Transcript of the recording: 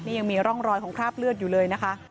นี่ยังมีร่องรอยของคราบเลือดอยู่เลยนะคะ